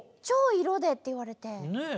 「超色で」って言われて。